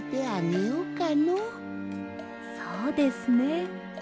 そうですね。